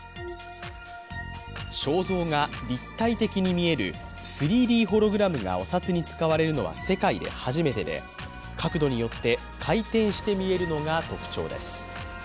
肖像が立体的に見える３Ｄホログラムがお札に使われるのは世界で初めてで角度によって回転して見えるのが特徴です。